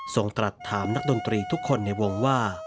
ตรัสถามนักดนตรีทุกคนในวงว่า